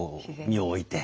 身を置いて。